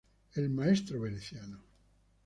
El Maestro Veneciano.